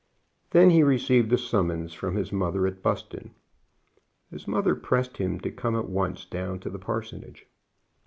Then he received a summons from his mother at Buston. His mother pressed him to come at once down to the parsonage.